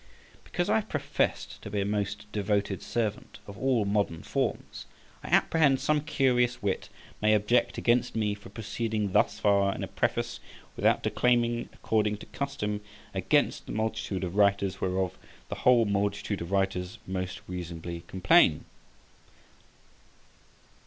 Because I have professed to be a most devoted servant of all modern forms, I apprehend some curious wit may object against me for proceeding thus far in a preface without declaiming, according to custom, against the multitude of writers whereof the whole multitude of writers most reasonably complain.